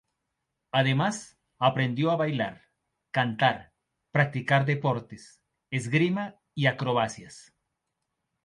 Además, aprendió a bailar, cantar, practicar deportes, esgrima y acrobacias.